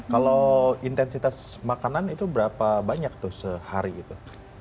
kalau intensitas makanan itu berapa banyak tuh sehari gitu